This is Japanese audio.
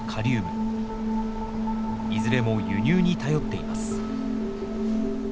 いずれも輸入に頼っています。